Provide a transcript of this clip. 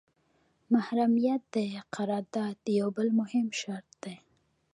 محرمیت د قرارداد یو بل مهم شرط دی.